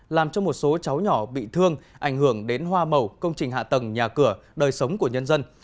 làm cho một số cháu nhỏ bị thương ảnh hưởng đến hoa màu công trình hạ tầng nhà cửa đời sống của nhân dân